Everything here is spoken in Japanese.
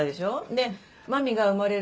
で麻美が生まれる